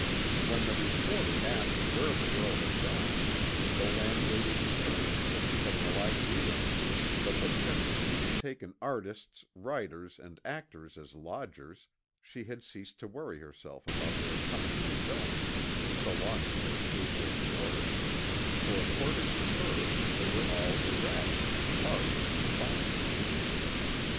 When the reporter asked where the girl had gone the landlady returned that she had no idea, but that since she had taken artists, writers, and actors as lodgers, she had ceased to worry herself about their comings and goings so long as they paid their board, for according to her they were all erratic and far from responsible.